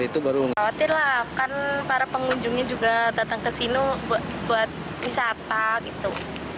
khawatir lah kan para pengunjungnya juga datang ke sini buat wisata gitu